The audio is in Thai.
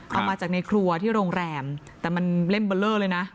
เอามาจากในครัวที่โรงแรมแต่มันเล่มเบอร์เลอร์เลยนะ